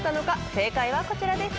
正解はこちらです。